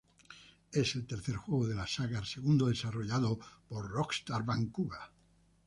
Es el tercer juego de la saga, segundo desarrollado por Rockstar Vancouver.